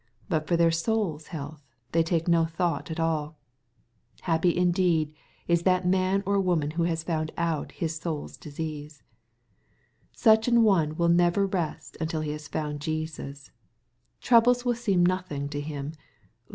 But for their soul's health they take no thought at alL Happy indeed is that man or woman who has found out his soul's disease I Such an one will never rest till he has found Jesus. Troubles will seem nothing to him.